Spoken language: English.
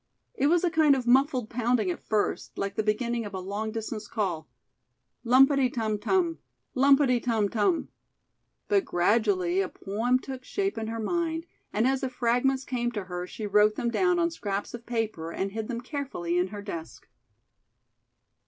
It was a kind of muffled pounding at first, like the beginning of a long distance call, "lumpty tum tum; lumpty tum tum." But gradually a poem took shape in her mind, and as the fragments came to her she wrote them down on scraps of paper and hid them carefully in her desk.